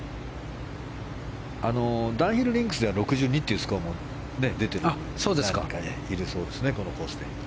ダンヒル・リンクスでは６２というスコアが出ているのもいるそうですがね、このコース。